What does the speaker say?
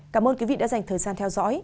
cảm ơn quý vị đã dành thời gian theo dõi